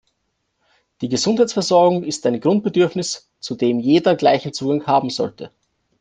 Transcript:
Die Gesundheitsversorgung ist ein Grundbedürfnis, zu dem jeder gleichen Zugang haben sollte.